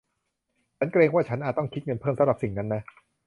ฉันเกรงว่า ฉันอาจต้องคิดเงินเพิ่มสำหรับสิ่งนั้นนะ